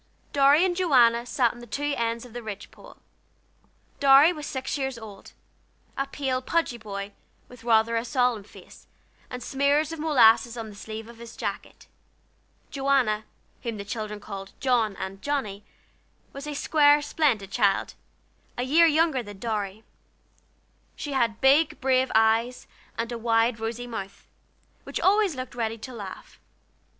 Dorry and Joanna sat on the two ends of the ridge pole. Dorry was six years old; a pale, pudgy boy, with rather a solemn face, and smears of molasses on the sleeve of his jacket. Joanna, whom the children called "John," and "Johnnie," was a square, splendid child, a year younger than Dorry; she had big brave eyes, and a wide rosy mouth, which always looked ready to laugh.